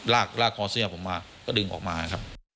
ลากคอเสื้อผมมาก็ดึงออกมาครับ